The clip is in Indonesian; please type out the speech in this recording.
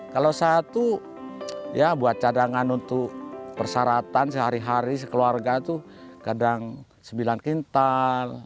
kalau satu ya buat cadangan untuk persyaratan sehari hari sekeluarga itu kadang sembilan kintal